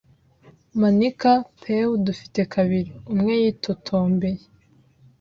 “Manika, Pew, dufite kabiri!” umwe yitotombeye.